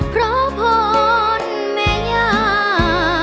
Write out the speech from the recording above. เพราะพรแม่ย่า